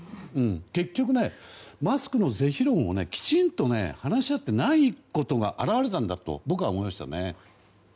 結局、マスクの是非論をきちんと話し合っていないことが表れたんだと僕は思いましたね。